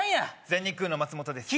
全日空の松本です